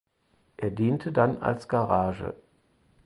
Er diente dann als Garage.